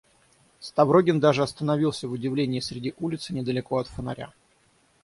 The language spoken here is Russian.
Ставрогин даже остановился в удивлении среди улицы, недалеко от фонаря.